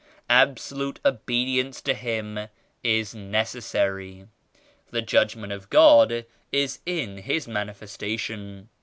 Absolute obedience to Him is necessary. The Judgment of God is in His Manifestation.